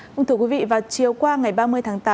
cũng thưa quý vị vào chiều qua ngày ba mươi tháng tám